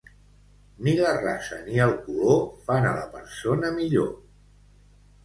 Ni la raça ni el color fan a la persona millor.